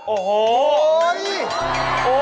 โอ้โฮโอ้โฮโอ้โฮ